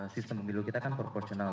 sistem pemilu kita kan proporsional